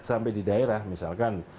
sampai di daerah misalkan